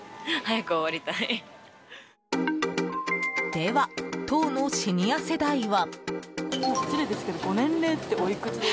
では、当のシニア世代は。